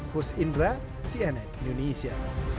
hus indra cnn indonesia